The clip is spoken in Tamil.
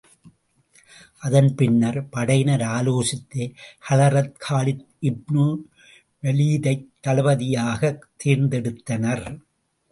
அதன் பின்னர், படையினர் ஆலோசித்து ஹலரத் காலித் இப்னு வலீதைத் தளபதியாகத் தேர்ந்தெடுத்தனர்.